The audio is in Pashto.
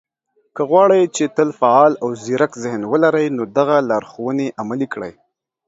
که غواړئ، چې تل فعال او ځيرک ذهن ولرئ، نو دغه لارښوونې عملي کړئ